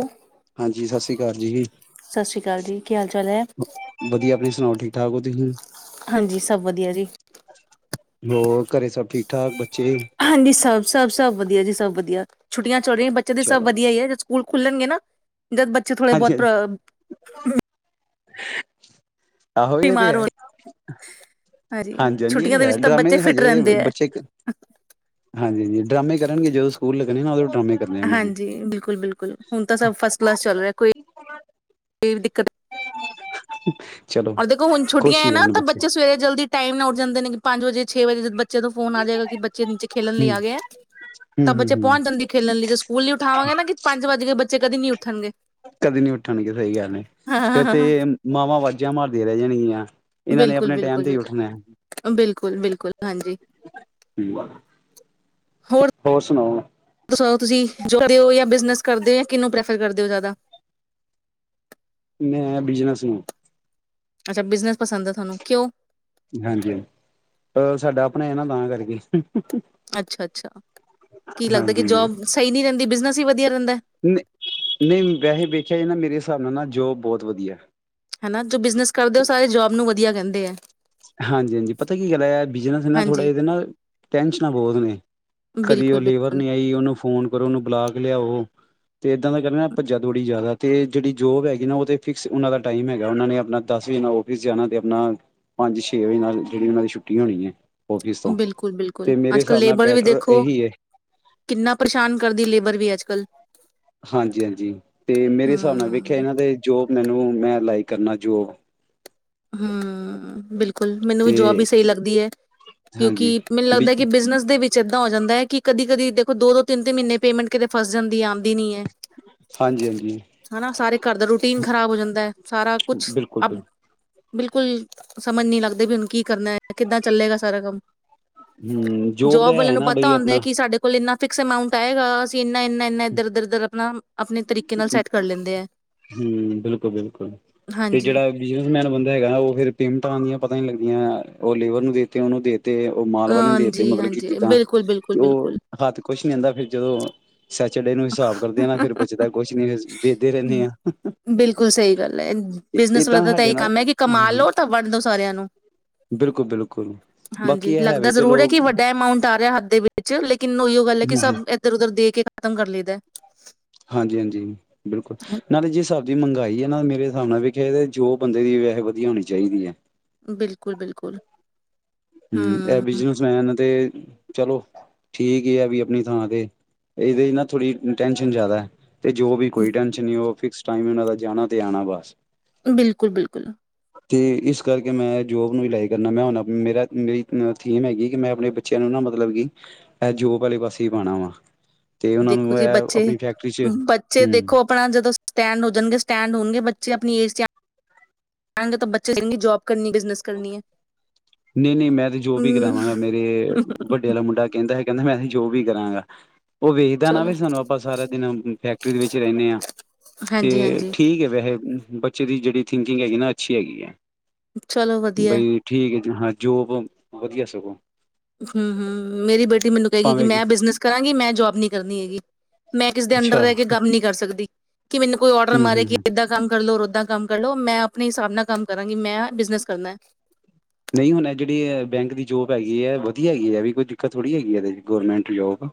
Hello ਹਾਂਜੀ ਸਤਿ ਸ੍ਰੀ ਅਕਾਲ ਜੀ ਸਤਿ ਸ਼੍ਰੀ ਅਕਾਲ ਜੀ ਕੀ ਹਾਲ ਚਾਲ ਹੈ ਵਧੀਆ ਆਪਣੀ ਸੁਣਾਓ ਠੀਕ ਠਾਕ ਹੋ ਤੁਸੀਂ ਹਾਂਜੀ ਸਭ ਵਧੀਆ ਜੀ ਹੋਰ ਘਰੇ ਸਭ ਠੀਕ ਠਾਕ ਬੱਚੇ ਹਾਂਜੀ ਸਭ ਸਭ ਸਭ ਵਧੀਆ ਜੀ ਸਭ ਵਧੀਆ ਛੁੱਟੀਆਂ ਚੱਲ ਰ ਬੱਚ ਦੀ ਸਭ ਚਲੋ ਵਧੀਆ ਹੈ ਸਕੂਲ ਖੁੱਲਣਗੇ ਨਾ ਦ ਬੱਚੇ ਥੋੜੇ ਹਾਂਜੀ ਬਹੁਤ ਹਾਂਜੀ ਆਹੋ ਇਹ ਤੇ ਹੈ ਹੋ ਹਾਂਜੀ ਹਾਂਜੀ ਇਹ ਛੁੱਟੀਆਂ ਤੇ ਦੇ ਹੈ ਵਿੱਚ ਤਾਂ ਡਰਾਮੇ ਬੱਚੇ ਫਿਟ ਹਜੇ ਰਹਿੰਦੇ ਹੈ ਬੱਚੇ ਹਾਂਜੀ ਹਾਂ ਡਰਾਮੇ ਕਰਨਗੇ ਜਦੋਂ ਸਕੂਲ ਲੱਗਣੇ ਨਾ ਉਦੋਂ ਡਰਾਮੇ ਕਰਨੇ ਆ ਉਹਨਾਂ ਨੇ ਹਾਂਜੀ ਬਿਲਕੁਲ ਬਿਲਕੁਲ ਹੁਣ ਤਾਂ ਸਭ ਇਹ ਵੀ ਦਿੱਕਤ [unintelligible] ਔਰ ਦੇਖੋ ਹੁ ਛੱਟੀਆਂ ਖੁਸ਼ ਹੈ ਹੀ ਨਾ ਰਹਿਣ ਤਾਂ ਬੱਚੇ ਸਵੇਰੇ ਜਲਦੀ ਟਾਈਮ ਨਾਠ ਜਾਂਦੇ ਨੇ ਕਿ ਪੰਜ ਵਜੇ ਛੇ ਵਜੇ ਬੱਚੇ ਤੋਂ ਫੋਨ ਆ ਜਾਏਗਾ ਕਿ ਬੱਚੇ ਨੀਚੇ ਖੇਲਣ ਲਈ ਹਮ ਆ ਗਏ ਆ ਹਮ ਤਾਂ ਹਮ ਬੱਚੇ ਹਮ ਪਹੁੰਚ ਜਾਂਦੇ ਖੇਲਣ ਲਈ ਜ ਸਕੂਲ ਨ ਉਠਾਵਾਂਗੇ ਨਾ ਕਿ ਪੰਜ ਵੱਜ ਕੇ ਬੱਚੇ ਕਦੀ ਨੀ ਉੱਠਣਗੇ ਕਦੇ ਨੀ ਉੱਠਣਗੇ ਸਹੀ ਗੱਲ ਹੈ ਫੇਰ ਤੇ ਹਾਂ ਮਾਵਾਂ ਵਾਜਾਂ ਮਾਰਦੀਆਂ ਰਹਿ ਜਾਣਗੀਆਂ ਇਹਨਾਂ ਨੇ ਬਿਲਕੁਲ ਆਪਣੇ ਟਾਈਮ ਬਿਲਕੁਲ ਬਿਲਕੁਲ ਬਿਲਕੁਲ ਬਕੁ ਬਿਲਕਲ ਠੀ ਹੋਰ ਸੁਣਾਓ ਤੁਸੀਂ ਜੋਦੇ ਹੋ ਜਾਂ ਬਿਜਨਸ ਕਰਦੇ ਹੋ ਜਾਂ ਕਿਹਨੂੰ ਪ੍ਰੈਫਰ ਕਰਦੇ ਹੋ ਜ਼ਿਆਦਾ ਮੈਂ ਬਿਜਨਸ ਨੂੰ ਅੱਛਾ ਬਿਜਨਸ ਪਸੰਦ ਹੈ ਤੁਹਾਨੂੰ ਕਿਉਂ ਹਾਂਜੀ ਸਾਡਾ ਆਪਣਾ ਹੈ ਨਾ ਤਾਂ ਕਰਕੇ ਅੱਛਾ ਅੱਛਾ ਅੱਛਾ ਕੀ ਲੱਗਦਾ ਕਿ ਜੋਬ ਸਹੀ ਨਹੀ ਰਹਿੰਦੀ ਬਨਸ ਨਹੀਂ ਨਹੀਂ ਵੈੇ ਵੇਚਿਆ ਹੀ ਨਾ ਮੇਰੇ ਹਿਸਾਬ ਨਾਲ ਨਾ ਜੋਬ ਬਹੁਤ ਵਧੀਆ ਹਨਾ ਜੋ ਬਿਜਨਸ ਕਰਦੇ ਉਹ ਸਾਰੇ ਜੋਬ ਨੂੰ ਵਧੀਆ ਕਹਿੰਦੇ ਆ ਹਾਂਜੀ ਹਾਂਜੀ ਪਤਾ ਕੀ ਗੱਲ ਬਿਜਨਸ ਨਾ ਥੋੜ੍ਹਾ ਹਾਂਜੀ ਜਦੇ ਨਾ ਟੈਨਸ਼ਨਾਂ ਬਹੁਤ ਨੇ ਕਦੀ ਬਿਲਕੁਲ, ਉਹ ਲੇਬਰ ਬਿਲਕੁਲ। ਨਹੀ ਆਈਓਨੂੰ ਫੋਨ ਕਰੋ ਉਹਨੂੰ ਬੁਲਾ ਕੇ ਲਿਆਓ ਤੇ ਇੱਦਾਂ ਦਾ ਕਰਨਾ ਭੱਜਾ ਥੋੜ੍ਹੀ ਜ਼ਿਆਦਾ ਤੇ ਜਿਹੜੀ ਜੋਬ ਹੈਗੀ ਨਾ ਉਹ ਤੇ ਫਿਕਸ ਉਹਨਾਂ ਦਾ ਟਾਈਮ ਹੈਗਾ ਉਹਨਾਂ ਨੇ ਆਪਣਾ ਦਸ ਵਜੇ ਨਾਲ ਫਿਸ ਜਾਣਾ ਅਤੇ ਆਪਣਾ ਪੰਜ ਛੇ ਵਜੇ ਨਾਲ ਜਿਹੜੀ ਉਹਨਾਂ ਦੀ ਛੁੱਟੀ ਹੋਣੀ ਹੈਏ ਬਿਲਕੁਲ ਬਿਲਕੁਲ ਅੱਜ ਕਲ ਲੇਬਰ ਵੀ ਬੈਟਰ ਦੇਖੋ ਇਹੀ ਹੈ ਕਿੰਨਾ ਪਰੇਸ਼ਾਨ ਕਰਦੀ ਲੇਬਰ ਵੀ ਅੱਜ ਕਲ ਕੱਲ ਹਾਂਜੀ ਹਾਂਜੀ ਤੇ ਮੇਰੇ ਹਿਸਾਬ ਨਾਲ ਵੇਖਿਆ ਹੂੰ, ਇਹਨਾਂ ਦੇ ਜੋ ਮੈਨੂੰ ਮੈਂ ਲਾਈਕ ਕਰਨਾ ਜੋ ਹਾਂ ਬਿਲਕੁਲ ਮੈਨੂੰ ਵੀ ਜੋਬ ਹੀ ਤੇ ਸਹੀ ਲੱਗਦੀ ਹੈ ਕਿਉਂਕਿ ਹਾਂਜੀ ਮੈਨੂੰ ਲੱਗਦਾ ਕਿ ਬਿਜਨਸ ਦੇ ਵਿੱਚ ਚਿੱਦਾਂ ਹੋ ਜਾਂਦਾ ਹੈ ਕਿ ਕਦੀ ਕਦੀ ਦੇਖੋ ਦੋ ਦੋ ਤਿੰਨ ਤਿੰਨ ਮਹੀਨੇ ਪੇਮੈਂਟ ਕਿਤੇ ਫਸ ਜਾਂਦੀ ਹੈ ਆਉਂਦੀ ਨੀ ਹੈ ਹਾਂਜੀ ਹਾਂਜੀ ਹਨਾ ਸਾਰੇ ਘਰ ਦਾ ਰੂਟੀਨ ਖ਼ਰਾਬ ਹੋ ਜਾਂਦਾ ਹੈ ਸਾਰਾ ਕੁਛ ਬਿਲਕੁਲ ਅ ਬਿਲਕੁਲ ਬਿਲਕੁਲ ਸਮਝ ਨਹੀਂੀ ਲੱਗਦੇ ਵੀ ਹਕ ਕਰਨਾ ਕਿੱਦਾਂ ਚੱਲੇਗਾ ਸਾਰਾ ਕੰਮ ਹੂੰ ਦਾ ਜੋਬ ਵਾਲੇ ਹੈ ਨੂੰ ਨਾ ਬਈ ਪਤਾ ਹੁੰਦਾ ਆਪਣਾ ਕਿ ਸਾਡੇ ਕੋਲ ਇੰਨਾ ਫਿਕਸ ਅਮਾਂਟਏਗਾ ਅਸੀਂ ਇੰਨਾ ਇੰਨਾ ਇਧਰ ਇਧਰ ਇਧਰ ਆਪਣਾ ਆਪਣੇ ਤਰੀਕੇ ਨਾਲ ਸੈਟ ਕਰ ਲੈਂਦੇ ਆ ਹੂੰ ਬਿਲਕੁਲ ਬਿਲਕੁਲ ਤੇ ਹਾਂਜੀ ਜਿਹੜਾ ਬਿਜਨਸਮੈਨ ਬੰਦਾ ਹੈਗਾ ਉਹ ਫਿਰ ਪੇਮਟਾਂ ਦੀਆਂ ਪਤਾ ਹੀੀ ਲੱਗਦੀਆਂ ਉਹ ਲੇਵਰ ਨੂੰ ਦੇ ਦਿੱਤੀ ਉਹਨੂੰ ਦੇ ਤੇ ਉਹ ਮਾਲ ਵਾਲਿਆਂ ਦੇ ਤੇ ਹਾਂਜੀ ਮਤਲ ਕੀਤੀ ਹਾਂਜੀ ਤਾਂ ਬਿਲਕੁਲ ਬਿਲਕੁਲ ਤੇ ਉਹ ਬਿਲਕੁਲ ਹੱਥ ਕੁਛ ਨ ਜਾਂਦਾ ਫਿਰ ਜਦੋਂ ਸੈਚਡੇ ਨੂੰ ਵੀ ਹਿਸਾਬ ਕਰਦੇ ਆ ਨਾ ਫਿਰ ਬਚਦਾ ਕੁਛ ਨੀ ਫ ਵੇਚਦੇ ਰਹਿੰਦੇ ਹਾਂ ਬਿਲਕੁਲ ਸਹੀ ਗੱਲ ਹੈ ਬਿਜਨਸ ਏਦਾਂ ਵਾਲਾ ਤਾਂ ਸਾਡੇ ਇਹੀ ਨਾਲ ਕੰਮ ਹੈ ਕਿ ਕਮਾ ਲੋ ਤਾਂ ਵੰਡ ਦੋ ਸਾਰਿਆਂ ਨੂੰ ਬਿਲਕੁਲ ਬਿਲਕੁਲ ਬਾਕੀ ਹਾਂਜੀ ਇਹ ਹੈ ਲੱਗਦਾ ਵੀ ਜ਼ਰੂਰ ਹੈ ਚਲੋ ਕਿ ਵੱਡਾ ਅਮਾਉਂਟ ਆ ਰਿਹਾ ਹੱਥ ਦੇ ਵਿੱਚ ਲੇਕਿਨ ਉੋ ਗੱਲ ਹੈ ਕਿ ਸਭ ਇੱਧਰ ਉਧਰ ਦੇ ਕੇ ਖ਼ਤਮ ਕਰ ਲਈਦਾ ਹਾਂਜੀ ਹਾਂਜੀ ਬਿਲਕੁਲ ਨਾਲੇ ਜੀ ਸਾ ਦੀ ਮੰਹਗਾਈ ਹੈ ਨਾ ਮੇਰੇ ਹਿਸਾਬ ਨਾਲ ਵੇਖੇ ਜੋ ਬੰਦੇ ਦੀ ਵੈਸੇ ਵਧੀਆ ਹੋਣੀ ਚਾਹੀਦੀ ਹੈ ਬਿਲਕੁਲ ਬਿਲਕੁਲ ਹਮ ਇਹ ਬਿਜਨਸਮੈਨ ਤੇ ਚਲੋ ਠੀਕ ਆ ਵੀ ਆਪਣੀ ਥਾਂ ਤੇ ਇਹਦੇ ਨਾ ਥੋੜੀ ਟੈਸ਼ਨ ਜ਼ਿਆਦਾ ਹੈ ਤੇ ਜੋ ਵੀ ਕੋਈ ਟੈਨਸ਼ਨ ਨਹੀਂ ਉਹ ਫਿਕਸ ਟਾਈਮ ਉਹਨਾਂ ਦਾ ਜਾਣਾ ਤੇ ਆਉਣਾ ਬਸ ਬਿਲਕੁਲ ਬਿਲਕੁਲ ਤੇ ਇਸ ਕਰਕੇ ਮੈਂ ਜੋਬ ਨੂੰ ਲ ਲਾਈ ਕਰਨਾ ਮੈਂ ਹੁਣ ਮੇਰਾ ਮੇਰੀ ਥੀਮ ਹੈਗੀ ਕਿ ਮੈਂ ਆਪਣੇ ਬੱਚਿਆਂ ਨੂੰ ਨਾ ਮਤਲਬ ਕਿ ਇਹ ਜੋਬ ਵਾਲੇ ਪਾਸੇ ਪਾਉਣਾ ਵਾ ਤੇ ਉਹਨਾਂ ਦੇਖੋ ਨੂੰ ਜੀ ਇਹ ਬੱਚੇ ਆਪਣੀ ਫੈਕਟਰੀ ਚ ਬੱਚੇ ਹੂੰ ਦੇਖੋ ਆਪਣਾ ਜਦੋਂ ਸਟੈਂਡ ਹੋ ਜਾਣਗੇ ਸਟੈਂਡ ਹੋਣਗੇ ਬੇ ਬੱਚੇ ਆਪਣੀ ਜ ਜਾ ਤਾਂ ਬੱਚੇ ਲਗੇ ਜ ਜੋਬ ਕਰਨੀ ਹੈ ਬਿਜਨਸ ਕਰਨੀ ਹੈ ਨਹੀਂ ਨਹੀਂ ਮੈਂ ਤੇ ਜੋ ਵੀ ਹਮ ਕਰਾਵਾਂਗਾ ਮੇਰੇ ਵੱਡੇ ਵਾਲਾ ਮੁੰਡਾ ਕਹਿੰਦਾ ਹੈਗਾ ਕਹਿੰਦਾ ਮੈਂ ਅਸੀ ਜੋ ਵੀ ਕਰਾਂਗਾ ਉਹ ਵੇਖਦਾ ਨਾ ਚਲੋ ਵੀ ਸਾਨੂੰ ਆਪਾਂ ਸਾਰਾ ਦਿਨ ਫੈਕਟਰੀ ਦੇ ਵਿੱਚ ਰਹਿੰਦੇ ਹਾਂ ਹਾਂਜੀ ਤੇ ਹਾਂਜੀ ਠੀਕ ਵੈਸੇ ਬੱਚੇ ਦੀ ਜਿਹੜੀ ਥਿੰਕਿੰਗ ਹੈਗੀ ਨਾ ਅੱਛੀ ਹੈਗੀ ਹੈ ਚਲੋ ਵਧੀਆ ਬਈ ਠੀਕ ਹੈ ਹਾਂ ਜੋਬ ਵਧੀਆ ਸਗੋਂ। ਹੂੰ ਹੂੰ ਮੇਰੀ ਬੇਟੀ ਮੈਨੂੰ ਕਹਿਗੀ ਕਿ ਭਾਵੇਂ ਮੈਂ ਬਿਜਨਸ ਕਰਾਂਗੀ ਮੈਂ ਜੋਬ ਨੀ ਕਰਨੀ ਹੈਗੀ ਮੈਂ। ਕਿਸੇ ਦੇ ਅੰਡਰ ਅੱਛਾ ਰਹਿ ਕੇ ਕੰਮ ਨੀ ਕਰ ਸਕਦੀ। ਤੇ। ਕਿ ਮੈਨੂੰ ਕੋਈ ਔਡਰ ਹੂੰ ਮਾਰੇ ਹੂੰ ਕਿ, ਹੂੰ ਏਦਾ ਕੰਮ ਕਰ ਲਓ ਔਰ। ਉਦਾਂ ਕੰਮ ਕਰ ਲਓ ਮੈਂ ਆਪਣੇ ਹਿਸਾਬ ਨਾਲ ਕੰਮ ਕਰਾਂਗੀ ਮੈਂ ਬਿਜ਼ਨਸ ਕਰਨਾ। [unintelligible] ਨਹੀਂ ਹੁਣ ਇਹ ਜਿਹੜੀ ਐ ਬੈਂਕ ਦੀ ਜੋਬ ਹੈਗੀ ਹੈ ਵਧੀਆ ਹੈਗੀ ਹੈ ਵੀ ਕੋਈ ਦਿੱਕਤ ਥੋੜ੍ਹੀ ਹੈਗੀ ਇਹਦੇ ਗਵੌਰਮੈਂਟ ਜੋਬ।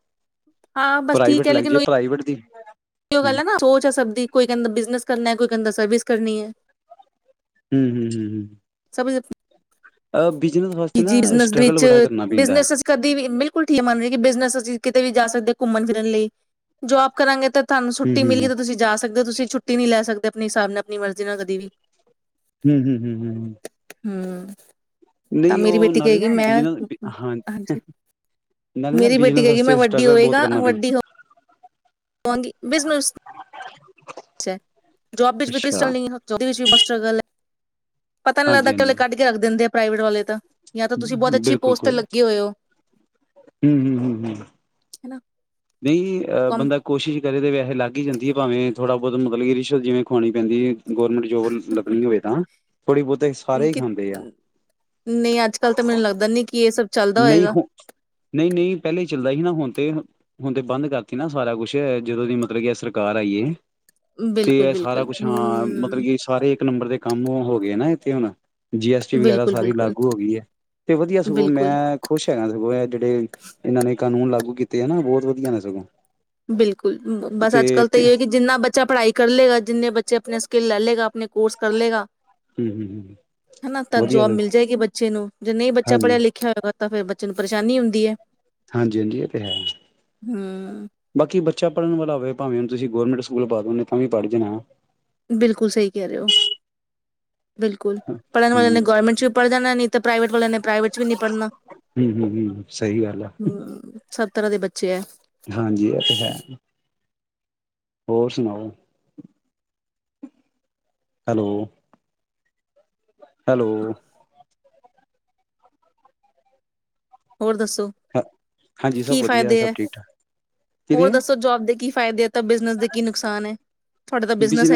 ਹਾਂ ਬਸ ਠੀਕ ਪ੍ਰਾਈਵੇਟ ਹੈ ਲੱਗ ਲੇਕਿਨ ਜਾਏ ਪ੍ਰਾਈਵੇਟ ਦੀ? ਉਹੀ ਗੱਲ ਹੂੰ ਹੈ ਨਾ ਸੋਚ ਹੈ ਸਭਦੀ ਕੋਈ ਕਹਿੰਦਾ ਬਿਜਨਸ ਕਰਨਾ ਕੋਈ। ਕਹਿੰਦਾ ਸਰਵਿਸ ਕਰਨੀ ਹੈ। ਹੂੰ ਹੂੰ ਹੂੰ ਹੂੰ। ਸਭ ਇੱਥੇ। ਅਬ। ਕਿ ਬਿਜਨਸ ਦੇ ਵਿੱਚ ਪੈਂਦਾ ਬਿਜਨਸ ਅਸੀਂ ਕਦੀ ਵੀ ਬਿਲਕੁਲ ਠੀਕ ਮੰਨਦੇ ਹਾ ਕੀ ਬਿਜ਼ਨਸ ਅਸੀਂ ਕਿਤੇ ਵੀ। ਜਾ ਸਕਦੀ ਘੁੰਮਣ ਫਿਰਨ ਲਈ। ਜੋਬ ਕਰਾਂਗੇ ਤਾਂ ਤੁਹਾਨੂੰ ਹੂੰ ਛੁੱਟੀ ਹੂੰ ਮਿਲੀ ਤਾਂ ਤੁਸੀਂ ਜਾ ਸਕਦੇ ਹੋ ਤੁਸੀਂ ਛੁੱਟੀ। [unintelligible] ਛੁੱਟੀ ਨਹੀਂ ਲੈ ਸਕਦੇ ਆਪਣੇ ਹਿਸਾਬ ਨਾਲ ਆਪਣੀ ਮਰਜ਼ੀ ਨਾਲ ਕਦੀ ਵੀ। ਹੂੰ ਹੂੰ ਹੂੰ ਹੂੰ ਹੂੰ। [unintelligible] ਹੂੰ। [unintelligible] ਤਾਂ ਨਹੀਂ ਮੇਰੀ ਉਹ ਬੇਟੀ ਨਾਲੇ ਕਹੇਗੀ ਨਾ, ਮੈਂ ਬਿਜ਼ਨਸ ਹਾਂਜੀ ਨਾਲੇ ਨਾ ਮੇਰੀ ਬੇਟੀ ਬਿਜ਼ਨਸ ਕਹੇਗੀ ਵਾਸਤੇ ਮੈਂ ਨਾ ਵੱਡੀ ਸਟਰਗਲ ਬਹੁਤ ਕਰਨਾ ਪੈਂਦਾ। ਪਉਂਦੀ ਬਿਜਨਸ। ਅੱਛਾ ਜੋਬ ਵਿੱਚ ਵੀ ਅੱਛਾ ਕ੍ਰਿਸਟਲ ਨਹੀਂ ਏ ਏਦੇ ਵਿੱਚ ਵੀ ਬਸ! ਸਟ੍ਰਗਲ ਹੈ। ਪਤਾ ਨੀ ਹਾਂਜੀ ਲੱਗਦਾਕੱਲੇ, ਹਾਂਜੀ ਕੱਢ ਕੇ ਰੱਖ ਦਿੰਦੇ ਆ। ਪ੍ਰਾਈਵੇਟ ਵਾਲੇ ਤਾਂ। ਜਾਂ ਤਾਂ ਤੁਸੀਂ ਬਹੁਤ ਅੱਛੀ ਬਿਲਕੁਲ ਪੋਸਟ ਤੇ ਕੋਰੀ ਲੱਗੇ ਹੋਏ ਹੋ ਹੂੰ ਹੂੰ ਹੂੰ ਹੂੰ। ਹਨਾ। ਨਹੀਂ ਜੀ ਕੰ ਬੰਦਾ ਕੋਸ਼ਿਸ਼ ਕਰੇ ਤਾਂ ਵੈਸੇ ਲੱਗ ਹੀ ਜਾਂਦੀ ਹੈ ਭਾਵੇਂ? ਥੋੜਾ ਬਹੁਤ ਮਤਲਬ ਕਿ ਰਿਸ਼ਵਤ ਜਿਵੇਂ ਖਵਾਉਣੀ ਪੈਂਦੀ ਹੈ। ਗੌਰਮੈਂਟ ਜੋਬ ਲੱਗਣੀ ਹੋਵੇ ਤਾਂ ਥੋੜ੍ਹੀ ਬਹੁਤੇ ਸਾਰੇ ਹੀ ਕਿ ਖਾਂਦੇ ਆ। ਨਹੀਂ ਅੱਜ ਕੱਲ ਤਾਂ ਮੈਨੂੰ ਲੱਗਦਾ ਨਹੀਂ ਕਿ ਇਹ ਸਭ ਚੱਲਦਾ ਨਹੀਂ ਹੋਏਗਾ ਹੋਰ, ਨਹੀਂ ਨਹੀਂ ਪਹਿਲੇ। ਚੱਲਦਾ ਸੀ ਨਾ ਹੁਣ ਤੇ ਹੁਣ ਤੇ ਬੰਦ ਕਰਤੇ ਨਾ ਸਾਰਾ ਕੁਛ ਜਦੋਂ ਦੀ ਮਤਲਬ ਕਿ ਏ ਸਰਕਾਰ ਆਈਏ। ਬਿਲਕੁਲ ਤੇ ਸਾਰਾ ਬਿਲਕੁਲ ਕੁਛ ਹਾਂ, ਮਤਲਬ ਹਮ, ਕਿ ਸਾਰੇ ਇੱਕ ਨੰਬਰ ਦੇ ਕੰਮ ਹੋ ਗਏ ਨਾ। ਤੇ ਹੁਣ? ਜੀ ਐਸ ਟੀ ਵਗੈਰਾ ਬਿਲਕੁਲ ਸਾਰੀ ਬਿਲਕੁਲ ਲਾਗੂ ਹੋ ਗਈ ਹੈ ਤੇ, ਵਧੀਆ ਸਗੋਂ। ਬਿਲਕੁਲ ਮੈਂ ਖੁਸ਼ ਹੈਗਾ ਸਗੋ ਇਹ ਜਿਹੜੇ, ਇਹਨਾਂ ਨੇ ਕਾਨੂੰਨ ਲਾਗੂ ਕੀਤੇ ਆ ਨਾ, ਬਹੁਤ ਵਧੀਆ ਨੇ ਸਗੋਂ। ਬਿਲਕੁਲ ਬਸ ਅੱਜ ਤੇ ਕੱਲ ਤਾਂ ਇਏ ਕੀ ਜਿੰਨਾ ਬੱਚਾ ਪੜਾਈ ਕਰ ਲਏਗਾ ਜਿੰਨੇ ਬੱਚੇ ਆਪਣੇ ਸਕਿੱਲ ਲੈ ਲਏਗਾ। ਆਪਣੇ ਕੋਰਸ ਕਰ ਲਗਾ। ਹਮ ਹਮ ਹਨਾ ਤਾਂ ਵਧੀਆ ਜੋਬ ਮਿਲ ਜਾਏਗੀ ਬੱਚੇ ਨੂੰ ਜੇ ਨਹੀਂ ਬੱਚਾ ਹਾਂਜੀ ਪੜੀਆ ਲਿਖਿਆ ਹੋਇਗਾ ਤਾਂ ਫਿਰ ਬੱਚਿਆ ਨੂੰ ਪਰੇਸ਼ਾਨੀ ਹੁੰਦੀ ਹੈ। ਹਾਂਜੀ ਹਾਂਜੀ ਇਹ ਤੇ ਹੈ। ਹਮ ਬਾਕੀ ਬੱਚਾ ਪੜਨ ਵਾਲਾ ਹੋਵੇ ਭਾਵੇਂ ਹੁਣ ਤੁਸੀ ਗੌਰਮੈਂਟ ਸਕੂਲ ਪਾ ਦੋ ਤਾਂ ਵੀ ਪੜ ਜਾਣਾ। ਬਿਲਕੁਲ ਸਹੀ ਕਹਿ ਰਹੇ ਹੋ। ਬਿਲਕੁਲ ਹਮ ਪੜਨ ਵਾਲਿਆਂ ਹਮ ਨੇ ਗੌਰਮੈਂਟ ਚ ਵੀ ਪੜ ਜਾਣਾ ਨਹੀਂ ਤੇ ਪ੍ਰਾਈਵੇਟ ਵਾਲਿਆਂ ਨੇ ਪ੍ਰਾਈਵੇਟ ਚ ਵੀ ਨਹੀਂ ਪੜਨਾ ਹਮ ਹਮ ਸਹੀ ਗੱਲ ਆ ਹਮ। ਸੱਤਰਹਾਂ ਦੇ ਬੱਚ ਹਾਂਜੀ ਓਹ ਤੇ ਹੈ। ਹੋਰ ਸੁਣਾਓ। ਹੈਲੋ। ਹੈਲੋ। ਹੋਰ ਦੱਸ। ਹਾਂਜੀ ਸਭ ਕੀ ਵਧੀਆ ਫਾਇਦੇ ਸਭ ਹੈ ਠੀਕ ਠਾਕ ਹੋਰ ਕਿਦੇ ਦੱਸੋ ਜੋਬ ਦੇ ਕੀ ਫ਼ਾਇਦੇ ਆ ਤਾਂ ਬਿਜਨਸ ਦੇ ਕੀ ਨੁਕਸਾਨ ਹੈ ਬਿਜਨ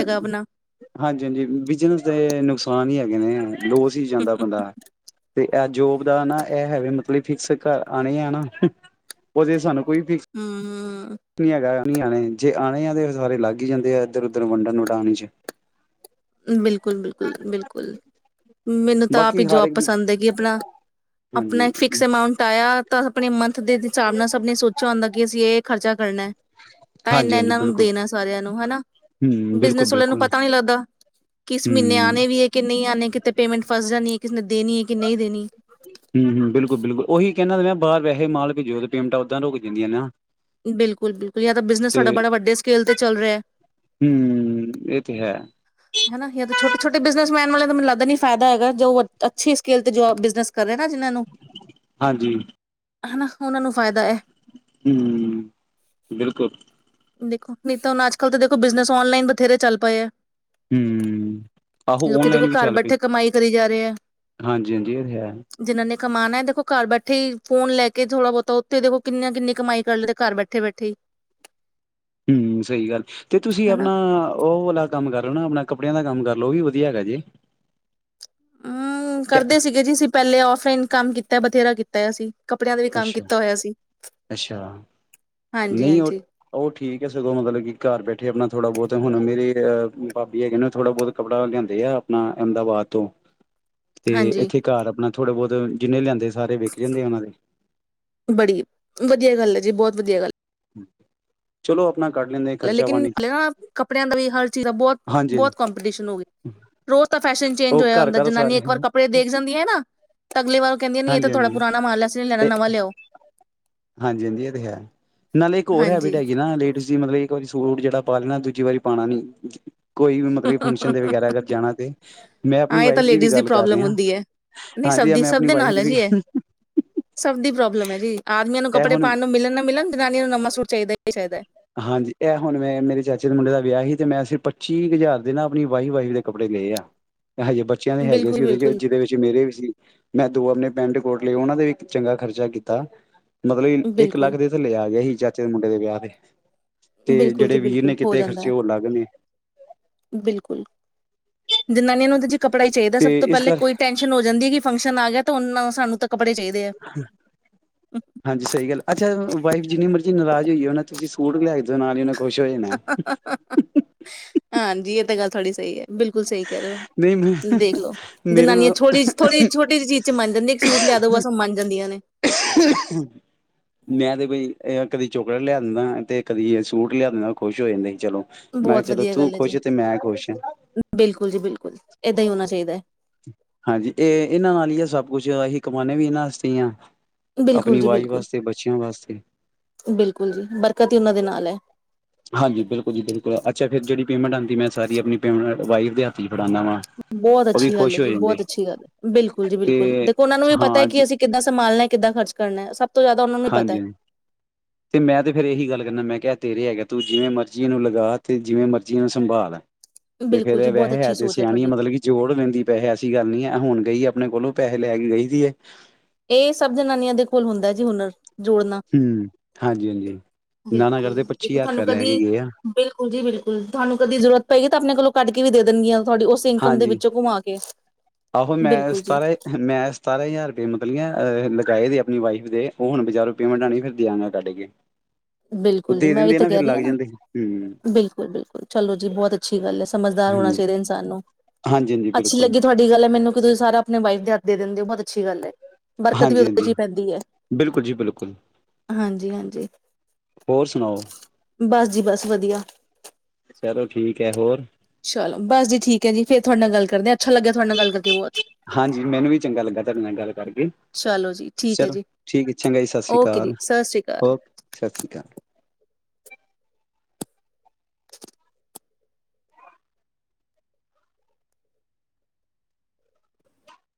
ਹਾਂਜੀ ਹਾਂਜੀ ਬਿਜਨਸ ਦੇ ਨੁਕਸਾਨ ਹੀ ਹੈਗੇ ਨੇ ਲੋਸ ਹੀ ਜਾਂਦਾ ਬੰਦਾ। ਤੇ ਇਹ ਜੋਬ ਦਾ ਨਾ ਇਹ ਐ ਹੈ ਮਤਲਬ ਫਿਕਸ ਘਰ ਆਉਣਾ ਹੀ ਆਉਣਾ ਹੁਹ ਉਸੀ ਸਾਨੂੰ ਹਮ ਹਮ। ਕੁਛ ਨੀ ਹੈਗਾ। ਨੀ ਆਣੇ ਜੇ ਆਣੇ ਆ ਤੇ ਸਾਰੇ ਲੱਗ ਹੀ ਜਾਂਦੇ ਆ ਇੱਧਰ ਉਧਰ ਵੰਡਣ ਵਨਡਾਣ ਚ। ਬਿਲਕੁਲ ਬਿਲਕੁਲ ਬਿਲਕੁਲ ਮੈਨੂੰ ਤਾਂ ਆਪ ਹੀ ਬਾਕੀ ਹਰ ਜੋਬ ਇੱਕ ਪਸੰਦ ਹੈਗੀ ਆਪਣਾ ਆਪਣਾ ਇੱਕ ਹਾਂਜੀ ਫਿਕਸ ਅਮਾਉਂਟ ਆਇਆ ਤਾਂ। ਆਪਣੇ ਮੰਥ ਦੇ ਹਿਸਾਬ ਨਾਲ ਸਭ ਨੇ ਸੋਚਿਆ ਹੁੰਦਾ ਕੀ ਅਸੀਂ ਇਹ ਖਰਚਾ ਕਰਨਾ ਤਾਂ ਹਾਂਜੀ ਇਨਾ ਹਾਂਜੀ ਇਹਨਾਂ ਨੂੰ ਬਿਲਕੁਲ ਦੇਣਾ ਸਾਰਿਆਂ ਨੂੰ ਹਨਾ ਹੂੰ ਬਿਲਕੁਲ ਬਿਜਨਸ ਵਾਲਿਆਂ ਨੂੰ ਬਿਲਕੁਲ ਪਤਾ ਨੀ ਲੱਗਦਾ ਕਿਸ ਹੂੰ ਮਹੀਨੇ ਆਉਣੇ ਵੀ ਹੈ ਕੀ ਨਹੀਂ ਆਣੇ ਕਿਤੇ ਪੇਮੈਂਟ ਫਸ ਨਹੀਂ ਕਿਸੇ ਦੇਣੀ ਹੈ ਕਿ ਨਹੀਂ ਦੇਣੀ ਹਮ ਹਮ ਬਿਲਕੁਲ ਬਿਲਕੁਲ ਉਹੀ। ਕਿਹਨਾਂ ਤਾਂ ਪਆ ਬਾਰ ਵੈਸੇ ਮਾਲ ਭੇਜੋ ਤੇ ਪੇਮਟਾ ਉੱਦਾਂ ਰੁਕ ਜਾਂਦੀਆਂ ਨਾ। ਬਿਲਕੁਲ ਬਿਲਕੁਲ ਜਾਂ ਤਾਂ ਬਿਜ਼ਨਸ ਤੇ ਤੁਹਾਡਾ ਬੜੇ ਵੱਡੇ ਸਕੇਲ ਤੇ ਚੱਲ ਰਿਯਾਂ। ਹੂੰ ਇਹ ਤੇ ਹੈ ਹਨਾ [unintelligible] ਛੋਟੇ ਛੋਟ ਬਿਜ਼ਨਸੈਨ ਵਲਆ ਨੂ ਮਨੂੰ ਲੱਗਦਾ ਨਹੀਂ ਫੇਦਾ ਹੈਗਾ ਜੋ ਉਹ ਅੱਛੀ ਸਕੇਲ ਤੇ ਜੋਬ ਬਜ਼ਨਸ ਕਰੇ ਨਾ ਜਿਹਨਾਂ ਨੂੰ ਹਾਂਜੀ ਹਨਾ ਉਹਨਾਂ ਨੂੰ ਫ਼ਾਇਦਾ ਏ। ਹੂੰ ਬਿਲਕੁਲ ਦੇਖੋ, ਨਹੀਂ ਤਾਂ ਹੁਣ ਅੱਜ ਕੱਲ ਤਾਂ ਦੇਖੋ ਬਿਜ਼ਨਸ ਔਨਲਾਈਨ ਬਥੇਰੇ ਚੱਲ ਪਏ ਹੈ। ਹੂੰ ਆਹੋ ਲੋਕੀ ਦੇਖੋ ਔਨਲਾਈਨ ਵੀ ਘਰ ਚੱਲ ਪਏ ਬੈਠੇ ਕਮਾਈ ਕਰੀ ਜਾ ਰਹੇ ਹੈ, ਹਾਂਜੀ ਹਾਂਜੀ ਇਹ ਤੇ ਹੈ ਜਿਹਨਾਂ ਨੇ ਕਮਾਨਣਾ ਦੇਖੋ ਘਰ ਬੈਠੇ ਹੀ ਫੋਨ ਲੈ ਕੇ ਥੋੜਾ ਬਹੁਤਾ ਉੱਥੇ ਦੇਖੋ ਕਿੰਨੀਆਂ ਕਿੰਨੀ ਕਮਾਈ ਕਰ ਲੈਂਦੇ, ਘਰ ਬੈਠੇ ਬੈਠੇ ਹੀ। ਹੂੰ, ਸਹੀ ਗੱਲ ਤੇ ਤੁਸੀਂ ਹਨਾ ਆਪਣਾ ਉਹ ਵਾਲਾ ਕੰਮ ਕਰਦੇ ਓ ਹਨਾ ਆਪਣਾ ਕੱਪੜਿਆਂ ਦਾ ਕੰਮ ਕਰ ਲਉ, ਉਹ ਵੀ ਵਧੀਆ ਹੈਗਾ ਜੇ। ਹੂੰ, ਟੈ ਕਰਦੇ ਸੀਗੇ ਜੀ ਅਸੀਂ ਪਹਿਲੇ ਆਫ ਲਾਈਨ ਕੰਮ ਕੀਤਾ ਬਥੇਰਾ ਕੀਤਾ। ਤਾ ਸੀ। ਅੱਛਾ, ਅੱਛਾ ਹਾਂਜੀ ਨਹੀਂ ਉਹ ਹਾਂਜੀ ਉਹ ਠੀਕ ਹੈ, ਸਗੋਂ ਮਤਲਬ ਕਿ ਘਰ ਬੈਠੇ ਆਪਣਾ ਥੋੜ੍ਹਾ ਬਹੁਤ ਤੇ ਹੁਣ ਮੇਰੀ ਅ ਭਾਬੀ ਹੈਗੇ ਨੇ, ਥੋੜਾ ਬਹੁਤ ਕੱਪੜਾ ਲਿਆਂਦੇ ਆ ਆਪਣਾ ਅਹਿਮਦਾਬਾਦ ਤੋਂ ਤੇ ਹਾਂਜੀ ਇੱਥੇ ਘਰ ਆਪਣਾ ਥੋੜੇ ਬਹੁਤ ਜਿੰਨੇ ਲਿਆਂਦੇ ਸਾਰੇ ਵਿਕ ਜਾਂਦੇ ਆ, ਉਹਨਾਂ ਦੇ। ਬੜੀ ਵਧੀਆ ਗੱਲ ਹੈ ਜੀ, ਬਹੁਤ ਵਧੀਆ ਗੱਲ। ਚਲੋ ਆਪ ਲੇਕਿਨ ਹਲੇ ਨਾ ਕੱਪੜਿਆਂ ਦਾ ਵੀ ਹਰ ਚੀਜ਼ ਦਾ ਬਹੁਤ ਹਾਂਜੀ ਬਹੁਤ ਕੰਪੀਟੀਸ਼ਨ ਹੋ ਗਿਆ, ਰੋਜ਼ ਤਾਂ ਫੈਸ਼ਨ ਚੇਂਜ ਉਹ ਹੋਇਆ ਘਰ ਹੁੰਦਾ ਘਰ ਜਨਾਨੀਆਂ ਸਾਰੇ ਇੱਕ ਵਾਰ ਹਾਂਜੀ ਕੱਪੜੇ ਦੇਖ ਜਾਂਦੀਆਂ ਨਾ ਅਗਲੇ ਵਾਰ ਕਹਿੰਦੀਆ ਨਹੀ ਇਹ ਤਾਂ ਥੋੜਾ ਹਾਂਜੀ ਪੁਰਾਣਾ ਮਾਲ ਅਸੀਂ ਨਹੀਂ ਲੈਣਾ ਤੇ ਨਵਾਂ ਲਿਆਉ। ਹਾਂਜੀ ਹਾਂਜੀ, ਇਹ ਤੇ ਹੈ, ਨਾਲੇ ਇੱਕ ਹੋਰ ਹੈਬੀਟ ਹੈਗੀ ਨਾ ਤੁਸੀਂ ਮਤਲਬ ਇੱਕ ਵਾਰੀ ਸੂਟ ਜਿਹੜਾ ਪਾ ਲੈਣਾ ਦੂਜੀ ਵਾਰੀ ਪਾਉਣਾ ਨੀ। ਕੋਈ ਵੀ ਮਤਲਬ ਫੰਕਸ਼ਨ ਦੇ ਵਗੈਰਾ ਅਗਰ ਜਾਣਾ, ਤੇ ਮੈਂ ਆਪਣੀ ਹਾਂ ਇਹ ਤਾਂ ਵਾਈਫ ਦੀ ਵੀ ਲੇਡੀਜ਼ ਗੱਲ ਕਰ ਪ੍ਰੋਬਲਮ ਰਿਹਾ, ਹੁੰਦੀ ਹੈ ਨਹੀਂ ਸਭ ਹਾਂਜੀ, ਦੀ ਮੈਂ ਸਭ ਆਪਣੀ ਦੇ ਵਾਈਫ ਨਾਲ ਦੀ ਹੈ ਵੀ ਜੀ ਗੱਲ ਕਰ ਇਹ ਰਿਹਾ। ਸਭ ਦੀ ਪ੍ਰੋਬਲਮ ਹੈ ਜੀ ਆਦਮੀਆਂ ਨੂੰ ਕੱਪੜੇ ਪਾਉਣ ਨੂੰ ਮਿਲਣ ਨਾ ਮਿਲਣ, ਜਨਾਨੀਆਂ ਨੂੰ ਨਵਾ ਸੂਟ ਚਾਹੀਦਾ ਹੀ ਚਾਹੀਦਾ। ਹਾਂਜੀ, ਇਹ ਹੁਣ ਮੈਂ ਮੇਰੇ ਚਾਚੇ ਦੇ ਮੁੰਡੇ ਦਾ ਵਿਆਹ ਸੀ ਤੇ ਮੈਂ ਪੱਚੀ ਹਜ਼ਾਰ ਦੇ ਨਾ ਆਪਣੀ ਵਾਈਫ ਦੇ ਕੱਪੜੇ ਲਏ ਆ। ਹਜੇ ਬੱਚਿਆਂ ਦੇ ਹੈਗੇ ਬਿਲਕੁਲ, ਸੀ, ਉਹਦੇ ਚ ਬਿਲਕੁਲ, ਜਿਹਦੇ ਵਿੱਚ ਮੇਰੇ ਵੀ ਸੀ, ਮੈਂ ਦੋ ਆਪਣੇ ਪੈਂਟ ਕੋਟ ਉਹਨਾਂ ਦਾ ਵੀ ਚੰਗਾ ਖਰਚਾ ਕੀਤਾ। ਮਤਲਬ ਇੱਕ ਬਿਲਕੁਲ, ਲੱਖ ਦੇ ਥੱਲੇ ਆ ਗਿਆ ਸੀ, ਚਾਚੇ ਦੇ ਮੁੰਡੇ ਦੇ ਵਿਆਹ ਤੇ। ਤੇ ਬਿਲਕੁਲ ਜੀ ਜਿਹੜੇ ਵੀਰ ਬਿਲਕੁਲ ਨੇ ਹੋ ਕੀਤੇ ਜਾਂਦਾ ਖ਼ਰਚੇ ਹੈ। ਉਹ ਅਲੱਗ ਨੇ। ਬਿਲਕੁਲ ਜਨਾਨੀਆਂ ਨੂੰ ਕੱਪੜਾ ਹੀ ਚਾਹੀਦਾ, ਤੇ ਸਭ ਤੋਂ ਇਸ ਪਹਿਲੇ ਕਰ ਕੋਈ ਟੈਸ਼ਨ ਹੋ ਜਾਂਦੀ ਹੈ ਕਿ ਫੰਕਸ਼ਨ ਫੰਕਸ਼ਨ ਆ ਗਿਆ ਤਾਂ ਹੁਣ ਸਾਨੂੰ ਤਾਂ ਕੱਪੜੇ ਚਾਹੀਦੇ ਆ। ਹਾਂਜੀ, ਸਹੀ ਗੱਲ ਅੱਛਾ, ਵਾਈਫ ਜਿੰਨੀ ਮਰਜ਼ੀ ਨਾਰਾਜ਼ ਹੋਈ ਉਹੇ ਤੁਸੀਂ ਉਹ ਨੂੰ ਵੀ ਆਹੀ ਨਾਲ ਹੀ ਉਹਨੇ ਖੁਸ਼ ਹੋ ਜਾਣਾ। ਜੀ ਇਹ ਗੱਲ ਤੋਡੀ ਸਹੀ ਐ। ਬਿਲਕੁਲ ਸਹੀ ਕਹਿ ਰਹੇ ਓ। ਨਹੀਂ ਮੈਂ ਦੇਖਲੋ ਮੇਰੇ ਜਨਾਨੀਆਂ ਨਾਲ ਥੋੜੀ ਹੀ ਥੋੜੀ ਛੋਟੀ ਜਿਹੀ ਚੀਜ਼ ਚ ਮੰਨ ਜਾਂਦੀ। ਇੱਕ ਸੂਟ ਲਿਆ ਦਿਓ ਸਭ ਮੰਨ ਜਾਂਦੀਆਂ ਨੇ। ਮੈਂ ਤੇ ਬਈ ਇਹ ਕਦੀ ਚੋਕਲੇਟ ਲਿਆ ਦਿੰਦਾ ਤੇ ਕਦੀ ਸੂਟ ਲਿਆ ਦਿੰਦਾ ਖੁਸ਼ ਹੋ ਜਾਂਦੇ ਈ। ਚਲੋ ਮੈਂ ਕਿਹਾ ਬਹੁਤ ਚਲੋ ਵਧੀਆ ਤੂੰ ਖੁਸ਼ ਤੇ ਮੈਂ ਖੁਸ਼। ਬਿਲਕਲ ਜੀ ਬਿਲਕੁਲ। ਏਦਾਂ ਈ ਹੋਣਾ ਚਾਹੀਦਾ ਐ। ਹਾਂਜੀ- ਇਹ ਇਨਾਂ ਨਾਲ ਹੀ ਆ ਸਭ ਕੁਛ। ਅਸੀਂ ਕਮਾਨੇ ਵੀ ਇਹਨਾਂ ਵਸਤੇ ਈ ਆ। ਬਿਲਕੁਲ ਆਪਣੀ ਜੀ ਵਾਈਫ ਬਿਲਕੁਲ। ਵਾਸਤੇ ਬੱਚਿਆਂ ਵਾਸਤੇ ਬਿਲਕੁਲ ਜੀ -ਬਰਕਤ ਈ ਉਨਾਂ ਦੇ ਨਾਲ ਐ। ਹਾਂਜੀ ਬਿਲਕੁਲ ਜੀ ਬਿਲਕੁਲ- ਅੱਛਾ ਫਿਰ ਜਿਹੜੀ ਪੇਮੈਂਟ ਆਂਦੀ ਮੈਂ ਸਾਰੀ ਆਪਣੀ ਪੇਮੈਂਟ ਵਾਇਫ ਦੇ ਹਥ ਈ- ਬਹੁਤ ਅੱਛੀ ਗੱਲ ਏ ਜੀ- ਬਹੁਤ ਅੱਛੀ ਗੱਲ ਏ। ਬਿਲਕੁਲ ਜੀ ਬਿਲਕੁਲ ਤੇ -ਦੇਖੋ ਉਨਾਂ ਨੂੰ ਵੀ ਪਤਾ ਹਾਂ ਕਿ ਜੀ ਅਸੀਂ ਕਿੱਦਾਂ ਸੰਭਾਲਣਾ ਕਿੱਦਾਂ ਖਰਚ ਕਰਨਾ ਸਭ ਤੋ ਜ਼ਿਆਦਾ ਉਨਾਂ ਨੂੰ ਹੀ ਪਤਾ ਐ। ਹਾਂਜੀ ਤੇ ਮੈਂ ਤੇ ਫੇਰ ਇਹੀ ਗੱਲ ਕੇਨਾ -ਮੈਂ ਕਿਹਾ ਤੇਰੇ ਹੈਗੇ ਤੂੰ ਜਿਵੇਂ ਮਰਜ਼ੀ ਇਨੂੰ ਲਗਾ ਤੇ ਜਿਵੇਂ ਮਰਜ਼ੀ ਇਨੂੰ ਸੰਭਾਲ। ਤੇ ਬਿਲਕੁਲ ਜੀ ਫ਼ੇਰ ਬਹੁਤ ਵੈਹੇ ਹੈ ਅੱਛੀ ਤੇ ਸੋਚ ਸਿਆਣੀ ਤੁਹਾਡੀ ਮਤਲਬ ਕਿ ਜੋੜ ਲੈਂਦੀ ਪੈਸੇ ਐਸੀ ਗੱਲ ਨੀ ਐ। ਹੁਣ ਗਈ ਆਪਣੇ ਕੋਲੋਂ ਪੈਸੇ ਲੈ ਕੇ ਗਈ ਦੀ ਏ। ਇਹ ਸਭ ਜਨਾਨੀਆਂ ਦੇ ਕੋਲ ਹੁੰਦਾ ਜੀ ਹੁਨਰ ਜੋੜਨਾ- ਹਮ ਹਾਂਜੀ ਹਾਂਜੀ ਨਾ ਨਾ ਬਿਲਕੁਲ ਕਰਦੇ ਪੱਚੀ ਜੋ ਹਜ਼ਾਰ ਤੁਹਾਨੂੰ ਰੁਪਇਆ ਲੈ ਕੇ ਕਦੀ ਗਏ ਆ ਬਿਲਕੁਲ ਜੀ ਬਿਲਕੁਲ- ਤੁਹਾਨੂੰ ਕਦੀ ਜਰੂਰਤ ਪਏਗੀ ਤਾਂ ਆਪਣੇ ਕੋਲੋਂ ਕਢ- ਵੀ ਦੇ-ਦੇਣਗੀਆਂ ਹਾਂਜੀ -ਆਹੋ ਮੈਂ ਬਿਲਕੁਲ ਜੀ ਸਤਾਰਾਂ ਮੈਂ ਸਤਾਰਾਂ ਹਜ਼ਾਰ ਰੁਪਏ ਮਬ ਵੀ-ਆਹ ਲਗਾਏ ਦੇ ਆਪਣੀ ਵਾਈਫ ਦੇ ਉਹ ਹੁਣ ਬਾਜਾਰੋਂ ਪੇਮੈਂਟ ਆਣੀ ਫਿਰ ਦਿਆਂ ਕੱਢ ਕੇ। ਉਹ ਬਿਲਕੁਲ ਜੀ ਦੇ ਮੈਂ ਵੀ ਦਿੰਦੇ ਤੇ ਫਿਰ ਕਹਿ ਰੀ ਆ ਲੱਗ ਨਾ। ਜਾਂਦੇ ਹਮ ਬਿਲਕੁਲ- ਬਿਲਕੁਲ ਚਲੋ ਜੀ ਬਹੁਤ ਅੱਛੀ ਗੱਲ ਐ। ਸਮਝਦਾਰ ਹੋਣਾ ਹਾਂਜੀ ਚਾਹੀਦਾ ਇਨਸਾਨ ਨੂੰ। ਹਾਂਜੀ ਹਾਂਜੀ ਅੱਛੀ ਬਿਲਕੁਲ ਲੱਗੀ ਤੁਆਡੀ ਗੱਲ ਮੈਨੂੰ ਕੀ ਤੁਸੀਂ ਸਾਰਾ ਆਪਣੇ ਵਾਈਫ ਦੇ ਹਥ ਦੇ ਦਿੰਦੇ ਓ ਬਹੁਤ ਅੱਛੀ ਗੱਲ ਐ। ਬਰਕਤ ਵੀ ਹਾਂਜੀ ਓਹੋ ਹਾਂਜੀ ਜੀ ਪੈਂਦੀ ਐ। ਬਿਲਕੁਲ ਜੀ ਬਿਲਕੁਲ ਹਾਂਜੀ -ਹਾਂਜੀ ਹੋਰ ਸੁਣਾਓ ਬਸ ਜੀ ਬਸ ਵਧੀਆ। ਚਲੋ ਠੀਕ ਹੈ ਹੋਰ ਚਲੋ, ਬਸ ਜੀ ਠੀਕ ਐ ਜੀ ਫੇਰ ਤੁਡਾ- ਨਾਲ ਗੱਲ ਕਰਦੇ ਆ। ਅੱਛਾ ਲੱਗਿਆ ਤੁਆਡੇ ਨਾਲ ਗੱਲ ਕਰ- ਹਾਂਜੀ ਮੈਨੂੰ ਵੀ ਚੰਗਾ ਲੱਗਾ ਤਾਡੇ ਨਾਲ ਗੱਲ ਕਰਕੇ। ਚਲੋ ਜੀ ਠੀਕ ਹੈ ਚਲੋ ਜੀ ਠੀਕ ਏ ਚੰਗਾ ਜੀ ਸਾਸਰੀ ਓਕੇ ਜੀ ਕਾਲ ਸਤਿ ਸ਼੍ਰੀ ਅਕਾਲ ਓ ਸਸਰੀ ਕਾਲ।